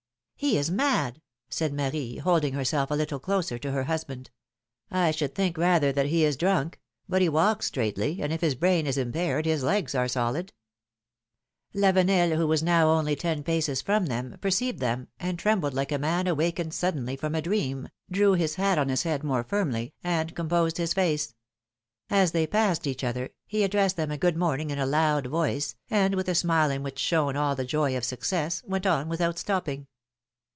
He is mad ! said Marie, holding herself a little closer to her husband. should think rather that he is drunk; but he walks straightly, and if his brain is impaired, his legs are solid.^^ Lavenel, who was now only ten paces from them, per ceived them, and trembled like a man awakened sud denly from a dream, drew his hat on his head more firmly, and composed his face. As they passed each other, he addressed them a good morning in a loud voice, and with a smile in which shone all the joy of success, went on without stopping.